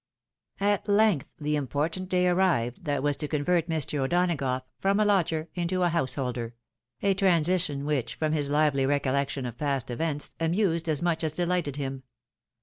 " At length the important day arrived, that was to convert Mr. O'Donagough from a lodger into a T^ouseholder ; a transi tion which, from his hvely recollection of past evenis, amused, as much as dehghted him.